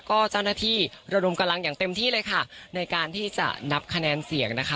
ก็เจ้าหน้าที่ระดมกำลังอย่างเต็มที่เลยค่ะในการที่จะนับคะแนนเสียงนะคะ